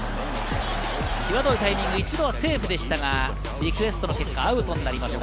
際どいタイミング、一度はセーフでしたがリクエストの結果アウトとなりました。